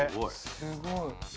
すごい。